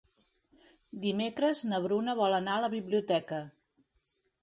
Dimecres na Bruna vol anar a la biblioteca.